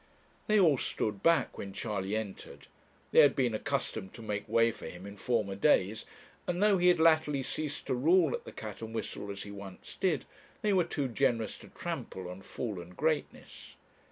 They all stood back when Charley entered; they had been accustomed to make way for him in former days, and though he had latterly ceased to rule at the 'Cat and Whistle' as he once did, they were too generous to trample on fallen greatness.